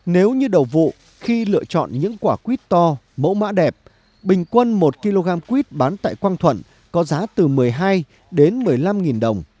nếu như đầu vụ khi lựa chọn những quả quýt to mẫu mã đẹp bình quân một kg quýt bán tại quang thuận có giá từ một mươi hai đến một mươi năm đồng